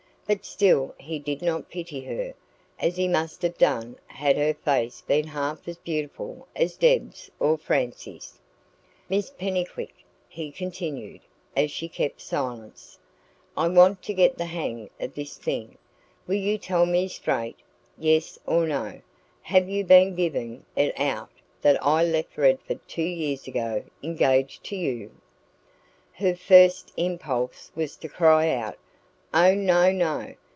But still he did not pity her, as he must have done had her face been half as beautiful as Deb's or Francie's. "Miss Pennycuick," he continued, as she kept silence, "I want to get the hang of this thing. Will you tell me straight yes or no have you been giving it out that I left Redford two years ago engaged to you?" Her first impulse was to cry out: "Oh, no, no!